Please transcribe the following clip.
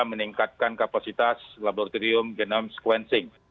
meningkatkan kapasitas laboratorium genome sequencing